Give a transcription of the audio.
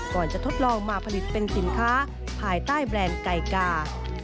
จะทดลองมาผลิตเป็นสินค้าภายใต้แบรนด์ไก่กา